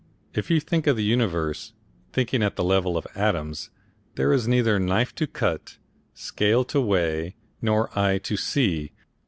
If you think of the universe, thinking at the level of atoms, there is neither knife to cut, scale to weigh nor eye to see.